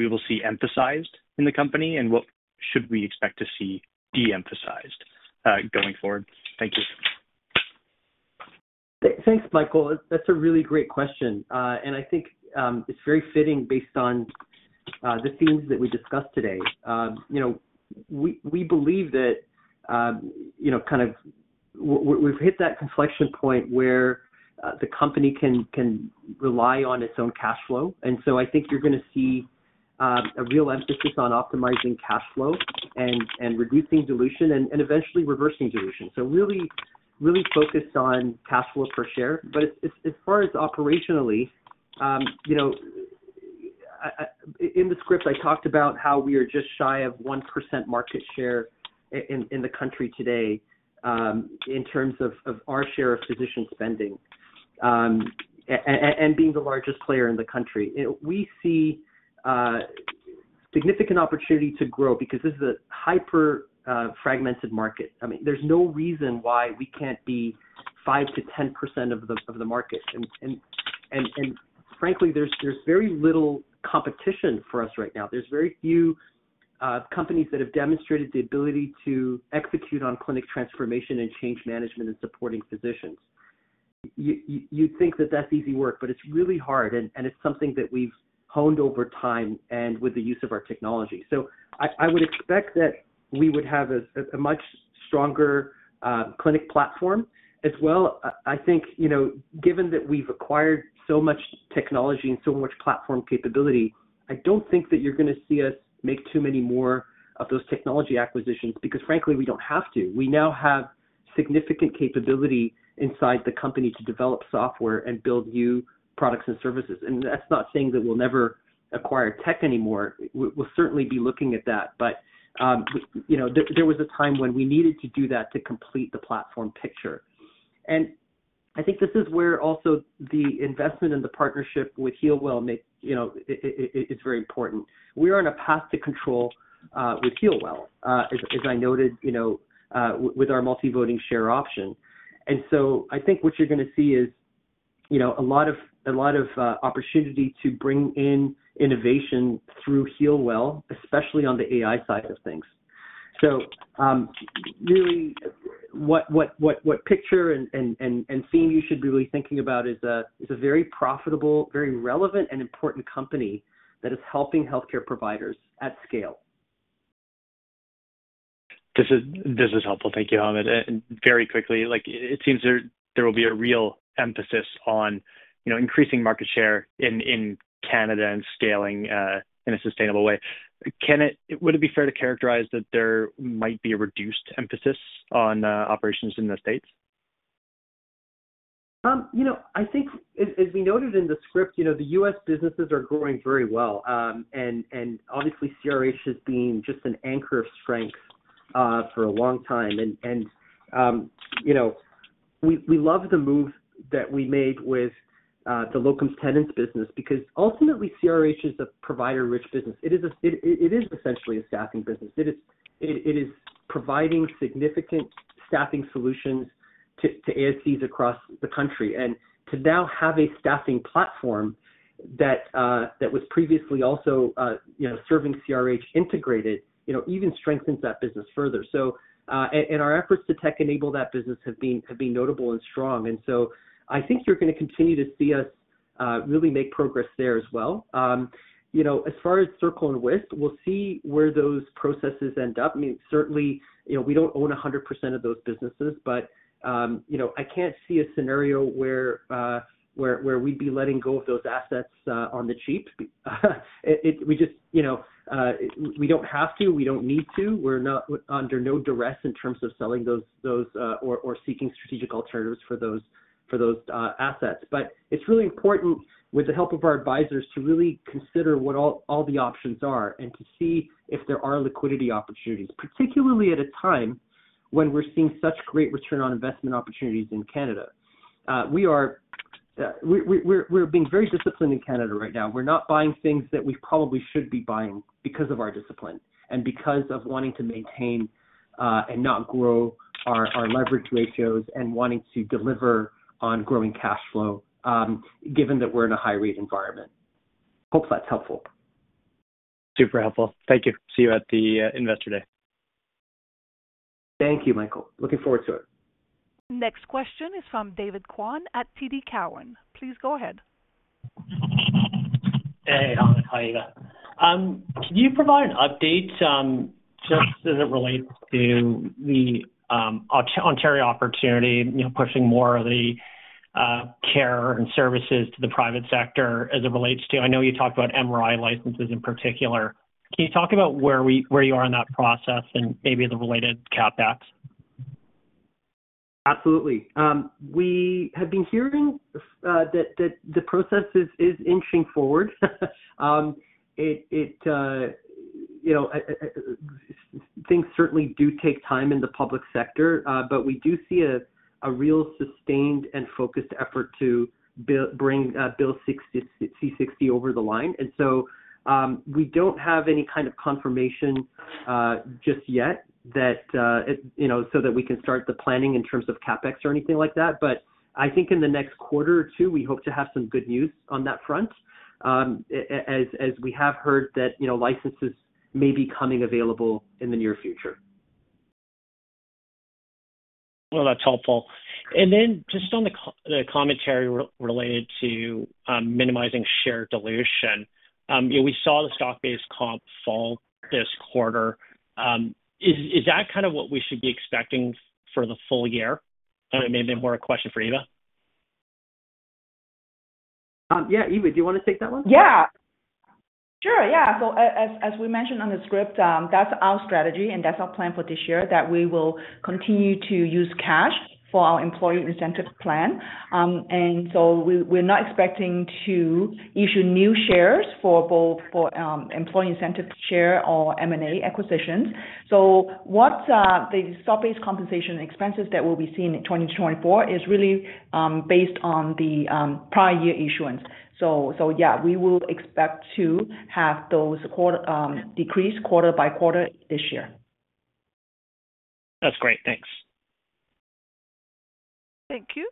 will see emphasized in the company, and what should we expect to see de-emphasized going forward? Thank you. Thanks, Michael. That's a really great question. I think it's very fitting based on the themes that we discussed today. We believe that kind of we've hit that inflection point where the company can rely on its own cash flow. So I think you're going to see a real emphasis on optimizing cash flow and reducing dilution and eventually reversing dilution. Really focused on cash flow per share. As far as operationally, in the script, I talked about how we are just shy of 1% market share in the country today in terms of our share of physician spending and being the largest player in the country. We see significant opportunity to grow because this is a hyper-fragmented market. I mean, there's no reason why we can't be 5%-10% of the market. Frankly, there's very little competition for us right now. There's very few companies that have demonstrated the ability to execute on clinic transformation and change management and supporting physicians. You'd think that that's easy work, but it's really hard, and it's something that we've honed over time and with the use of our technology. So I would expect that we would have a much stronger clinic platform as well. I think given that we've acquired so much technology and so much platform capability, I don't think that you're going to see us make too many more of those technology acquisitions because, frankly, we don't have to. We now have significant capability inside the company to develop software and build new products and services. And that's not saying that we'll never acquire tech anymore. We'll certainly be looking at that. But there was a time when we needed to do that to complete the platform picture. I think this is where also the investment and the partnership with HEALWELL is very important. We are on a path to control with HEALWELL, as I noted, with our multivoting share option. So I think what you're going to see is a lot of opportunity to bring in innovation through HEALWELL, especially on the AI side of things. So really, what picture and theme you should be really thinking about is a very profitable, very relevant, and important company that is helping healthcare providers at scale. This is helpful. Thank you, Hamed. Very quickly, it seems there will be a real emphasis on increasing market share in Canada and scaling in a sustainable way. Would it be fair to characterize that there might be a reduced emphasis on operations in the States? I think, as we noted in the script, the U.S. businesses are growing very well. And obviously, CRH has been just an anchor of strength for a long time. And we love the move that we made with the locum tenens business because ultimately, CRH is a provider-rich business. It is essentially a staffing business. It is providing significant staffing solutions to ASCs across the country. And to now have a staffing platform that was previously also serving CRH integrated even strengthens that business further. And our efforts to tech-enable that business have been notable and strong. And so I think you're going to continue to see us really make progress there as well. As far as Circle and Wisp, we'll see where those processes end up. I mean, certainly, we don't own 100% of those businesses, but I can't see a scenario where we'd be letting go of those assets on the cheap. We just don't have to. We don't need to. We're under no duress in terms of selling those or seeking strategic alternatives for those assets. But it's really important with the help of our advisors to really consider what all the options are and to see if there are liquidity opportunities, particularly at a time when we're seeing such great return on investment opportunities in Canada. We're being very disciplined in Canada right now. We're not buying things that we probably should be buying because of our discipline and because of wanting to maintain and not grow our leverage ratios and wanting to deliver on growing cash flow given that we're in a high-rate environment. Hope that's helpful. Super helpful. Thank you. See you at the Investor Day. Thank you, Michael. Looking forward to it. Next question is from David Kwan at TD Cowen. Please go ahead. Hey, Hamed. Hi, Eva. Could you provide an update just as it relates to the Ontario opportunity, pushing more of the care and services to the private sector as it relates to. I know you talked about MRI licenses in particular. Can you talk about where you are in that process and maybe the related CapEx? Absolutely. We have been hearing that the process is inching forward. Things certainly do take time in the public sector, but we do see a real sustained and focused effort to bring Bill 60 over the line. And so we don't have any kind of confirmation just yet so that we can start the planning in terms of CapEx or anything like that. But I think in the next quarter or two, we hope to have some good news on that front as we have heard that licenses may be coming available in the near future. Well, that's helpful. And then just on the commentary related to minimizing share dilution, we saw the stock-based comp fall this quarter. Is that kind of what we should be expecting for the full year? And it may have been more a question for Eva. Yeah. Eva, do you want to take that one? Yeah. Sure. Yeah. So as we mentioned on the script, that's our strategy, and that's our plan for this year, that we will continue to use cash for our employee incentive plan. And so we're not expecting to issue new shares for both employee incentive share or M&A acquisitions. So the stock-based compensation expenses that will be seen in 2024 is really based on the prior year issuance. So yeah, we will expect to have those decreased quarter by quarter this year. That's great. Thanks. Thank you.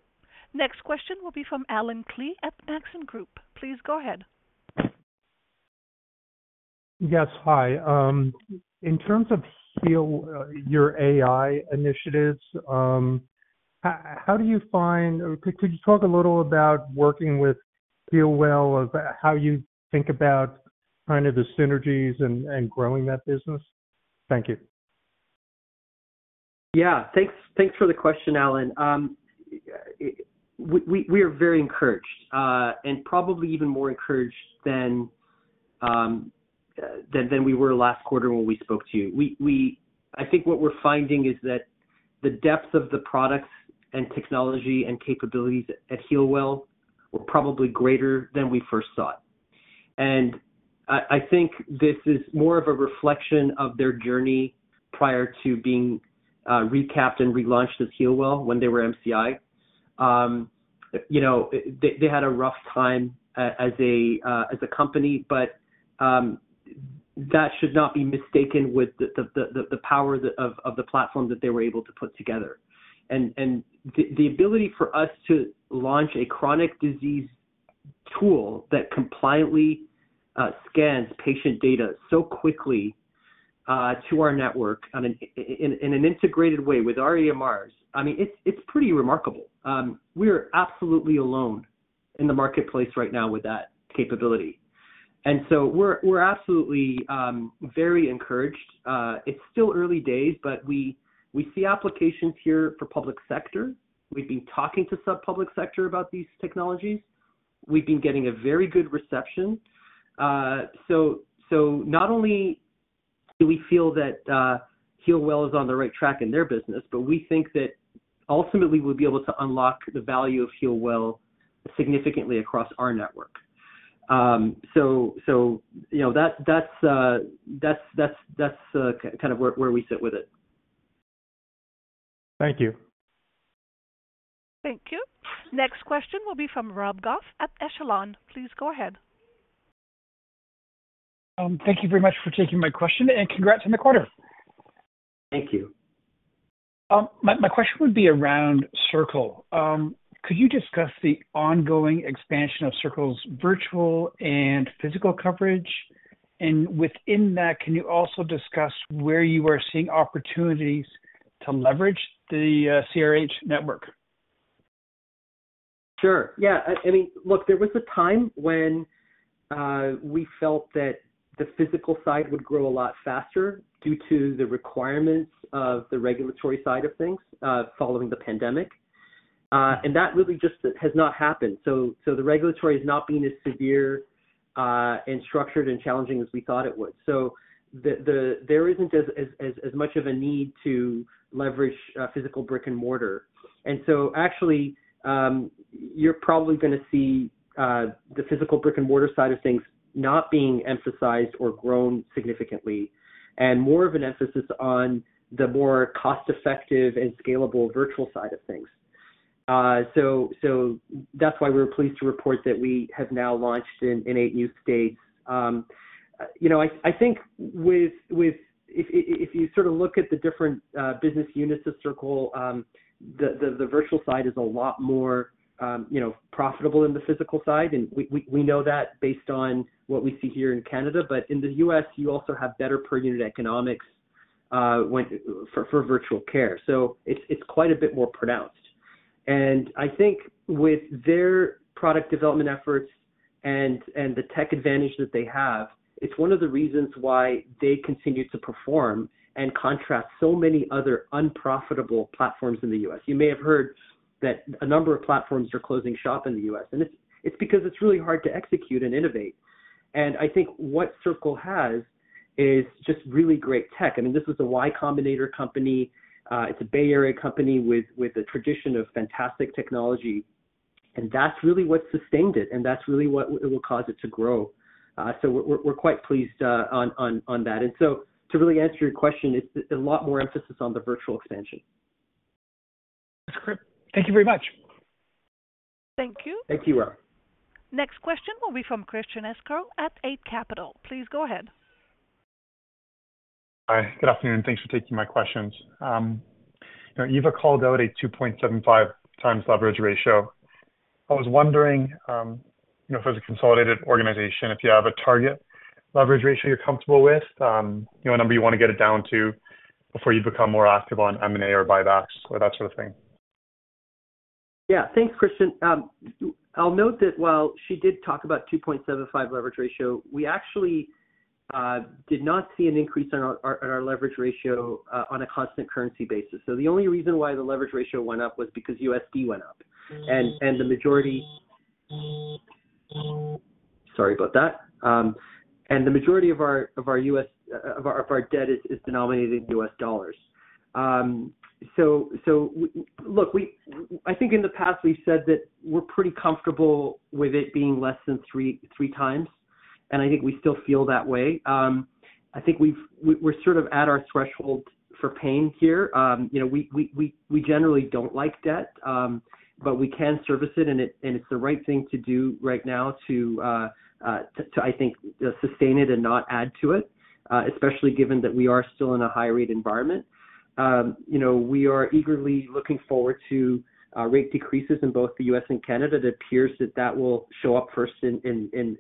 Next question will be from Allen Klee at Maxim Group. Please go ahead. Yes. Hi. In terms of your AI initiatives, how do you find or could you talk a little about working with HEALWELL of how you think about kind of the synergies and growing that business? Thank you. Yeah. Thanks for the question, Allen. We are very encouraged and probably even more encouraged than we were last quarter when we spoke to you. I think what we're finding is that the depth of the products and technology and capabilities at HEALWELL were probably greater than we first thought. I think this is more of a reflection of their journey prior to being recapped and relaunched as HEALWELL when they were MCI. They had a rough time as a company, but that should not be mistaken with the power of the platform that they were able to put together. The ability for us to launch a chronic disease tool that compliantly scans patient data so quickly to our network in an integrated way with our EMRs, I mean, it's pretty remarkable. We're absolutely alone in the marketplace right now with that capability. We're absolutely very encouraged. It's still early days, but we see applications here for public sector. We've been talking to subpublic sector about these technologies. We've been getting a very good reception. So not only do we feel that HEALWELL is on the right track in their business, but we think that ultimately, we'll be able to unlock the value of HEALWELL significantly across our network. So that's kind of where we sit with it. Thank you. Thank you. Next question will be from Rob Goff at Echelon. Please go ahead. Thank you very much for taking my question, and congrats on the quarter. Thank you. My question would be around Circle. Could you discuss the ongoing expansion of Circle's virtual and physical coverage? And within that, can you also discuss where you are seeing opportunities to leverage the CRH network? Sure. Yeah. I mean, look, there was a time when we felt that the physical side would grow a lot faster due to the requirements of the regulatory side of things following the pandemic. That really just has not happened. So the regulatory is not being as severe and structured and challenging as we thought it would. So there isn't as much of a need to leverage physical brick and mortar. And so actually, you're probably going to see the physical brick and mortar side of things not being emphasized or grown significantly and more of an emphasis on the more cost-effective and scalable virtual side of things. So that's why we were pleased to report that we have now launched in eight new states. I think if you sort of look at the different business units of Circle, the virtual side is a lot more profitable than the physical side. And we know that based on what we see here in Canada. But in the U.S., you also have better per-unit economics for virtual care. So it's quite a bit more pronounced. And I think with their product development efforts and the tech advantage that they have, it's one of the reasons why they continue to perform and contrast so many other unprofitable platforms in the U.S. You may have heard that a number of platforms are closing shop in the U.S. And it's because it's really hard to execute and innovate. And I think what Circle has is just really great tech. I mean, this was a Y Combinator company. It's a Bay Area company with a tradition of fantastic technology. That's really what sustained it, and that's really what will cause it to grow. We're quite pleased on that. To really answer your question, it's a lot more emphasis on the virtual expansion. That's great. Thank you very much. Thank you. Thank you, Rob. Next question will be from Christian Sgro at Eight Capital. Please go ahead. Hi. Good afternoon. Thanks for taking my questions. Eva called out a 2.75x leverage ratio. I was wondering if as a consolidated organization, if you have a target leverage ratio you're comfortable with, a number you want to get it down to before you become more active on M&A or buybacks or that sort of thing. Yeah. Thanks, Christian. I'll note that while she did talk about 2.75 leverage ratio, we actually did not see an increase in our leverage ratio on a constant currency basis. So the only reason why the leverage ratio went up was because USD went up and the majority sorry about that. And the majority of our debt is denominated in U.S. dollars. So look, I think in the past, we've said that we're pretty comfortable with it being less than 3x. And I think we still feel that way. I think we're sort of at our threshold for pain here. We generally don't like debt, but we can service it. And it's the right thing to do right now to, I think, sustain it and not add to it, especially given that we are still in a high-rate environment. We are eagerly looking forward to rate decreases in both the U.S. and Canada. It appears that that will show up first in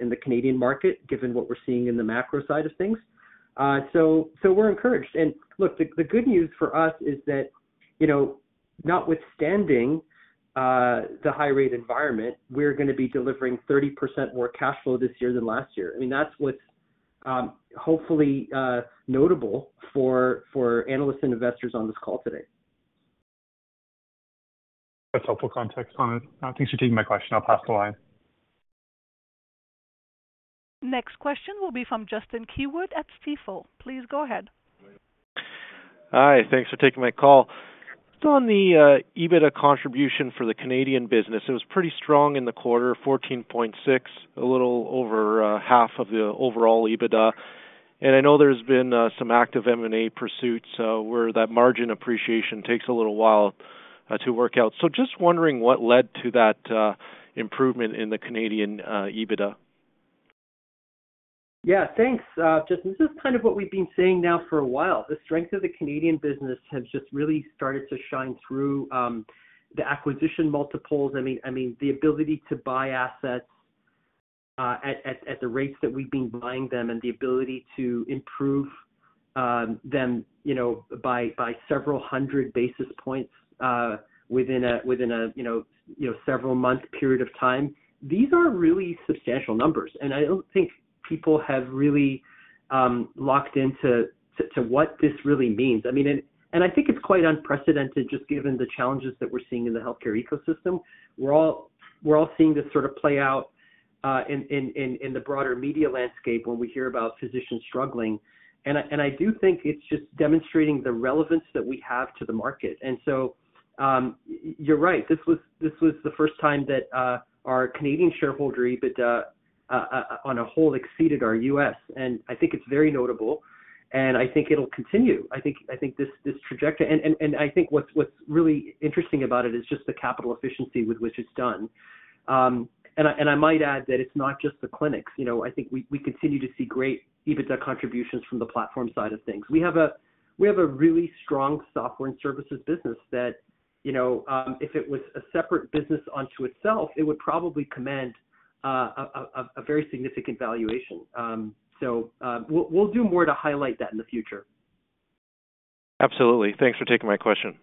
the Canadian market given what we're seeing in the macro side of things. So we're encouraged. And look, the good news for us is that notwithstanding the high-rate environment, we're going to be delivering 30% more cash flow this year than last year. I mean, that's what's hopefully notable for analysts and investors on this call today. That's helpful context on it. Thanks for taking my question. I'll pass the line. Next question will be from Justin Keywood at Stifel. Please go ahead. Hi. Thanks for taking my call. Still on the EBITDA contribution for the Canadian business. It was pretty strong in the quarter, 14.6, a little over half of the overall EBITDA. And I know there's been some active M&A pursuits where that margin appreciation takes a little while to work out. So just wondering what led to that improvement in the Canadian EBITDA? Yeah. Thanks, Justin. This is kind of what we've been saying now for a while. The strength of the Canadian business has just really started to shine through the acquisition multiples. I mean, the ability to buy assets at the rates that we've been buying them and the ability to improve them by several hundred basis points within a several-month period of time. These are really substantial numbers. And I don't think people have really locked into what this really means. I mean, and I think it's quite unprecedented just given the challenges that we're seeing in the healthcare ecosystem. We're all seeing this sort of play out in the broader media landscape when we hear about physicians struggling. And I do think it's just demonstrating the relevance that we have to the market. And so you're right. This was the first time that our Canadian shareholder EBITDA as a whole exceeded our U.S. I think it's very notable. I think it'll continue. I think this trajectory, and I think what's really interesting about it is just the capital efficiency with which it's done. I might add that it's not just the clinics. I think we continue to see great EBITDA contributions from the platform side of things. We have a really strong software and services business that if it was a separate business unto itself, it would probably command a very significant valuation. So we'll do more to highlight that in the future. Absolutely. Thanks for taking my question.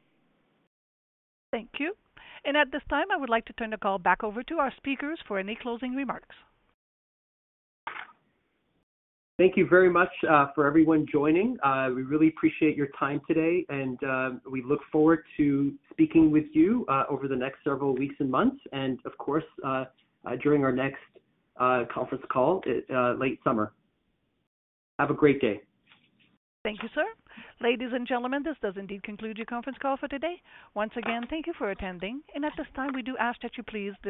Thank you. At this time, I would like to turn the call back over to our speakers for any closing remarks. Thank you very much for everyone joining. We really appreciate your time today. We look forward to speaking with you over the next several weeks and months and, of course, during our next conference call late summer. Have a great day. Thank you, sir. Ladies and gentlemen, this does indeed conclude your conference call for today. Once again, thank you for attending. At this time, we do ask that you please.